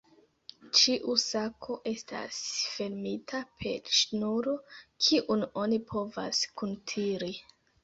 Ĉiu sako estas fermita per ŝnuro, kiun oni povas kuntiri.